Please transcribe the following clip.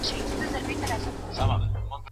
هر انسان باید د بل چا حق ته درناوی وکړي.